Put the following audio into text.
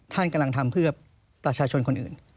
ท่านกำลังทำเพื่อประชาชนคนอื่น